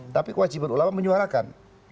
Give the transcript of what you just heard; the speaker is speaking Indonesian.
tapi kewajiban ulama menyuarakan